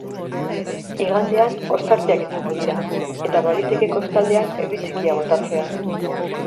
Igandean ostarteak izango dira eta baliteke kostaldean euri txikia botatzea.